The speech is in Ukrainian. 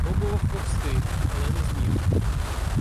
Пробував повзти, але не зміг.